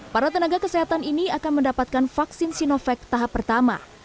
para tenaga kesehatan ini akan mendapatkan vaksin sinovac tahap pertama